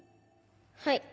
はい。